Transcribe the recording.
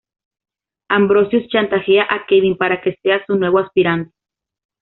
Ambrosius chantajea a Kevin para que sea su nuevo aspirante.